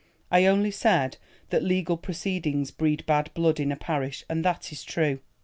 I only said that legal proceedings breed bad blood in a parish, and that is true."